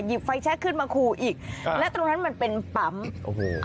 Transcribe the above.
หยิบไฟแชร์ขึ้นมาครูอีกแล้วตรงนั้นมันเป็นปั๊มโอ้โห